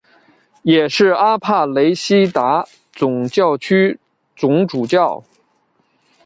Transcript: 也是阿帕雷西达总教区总主教。